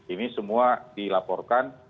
ini semua dilaporkan